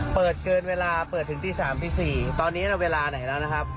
เปิดเกินเวลาเปิดถึงตี๓ตี๔ตอนนี้เวลาไหนแล้วนะครับ